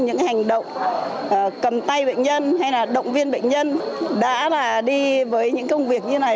những hành động cầm tay bệnh nhân hay là động viên bệnh nhân đã là đi với những công việc như này